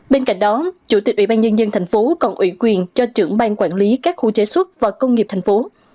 bên cạnh đó chủ tịch ủy ban nhân dân tp hcm còn ủy quyền cho trưởng ban quản lý các khu chế xuất và công nghiệp tp hcm